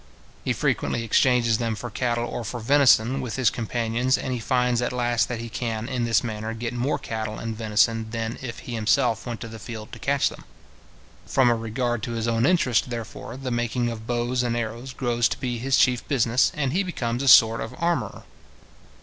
He frequently exchanges them for cattle or for venison, with his companions; and he finds at last that he can, in this manner, get more cattle and venison, than if he himself went to the field to catch them. From a regard to his own interest, therefore, the making of bows and arrows grows to be his chief business, and he becomes a sort of armourer.